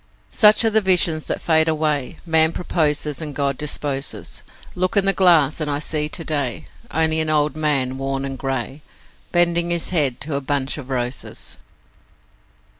..... Such are the visions that fade away Man proposes and God disposes; Look in the glass and I see to day Only an old man, worn and grey, Bending his head to a bunch of roses.